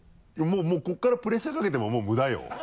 もうここからプレッシャーかけてももう無駄よ。